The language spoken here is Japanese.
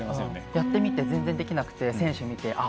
やってみて全然できなくて、選手を見てああ